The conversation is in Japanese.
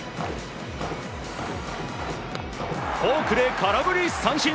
フォークで空振り三振。